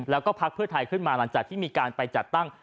แล้วก็พักเพื่อไทยขึ้นมาหลังจากที่มีการไปจัดตั้ง